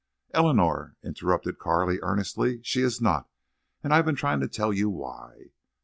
"Eleanor," interrupted Carley, earnestly, "she is not.... And I've been trying to tell you why."